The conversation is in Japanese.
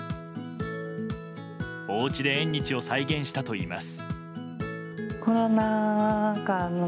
おうちで縁日を再現したといいます。